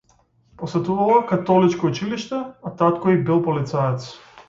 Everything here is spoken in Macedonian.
Посетувала католичко училиште, а татко и бил полицаец.